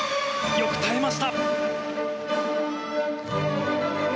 よく耐えました。